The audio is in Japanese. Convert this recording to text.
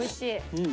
うん。